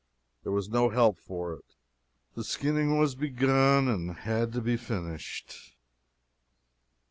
But there was no help for it. The skinning was begun and had to be finished.